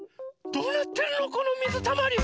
どうなってるのこのみずたまり。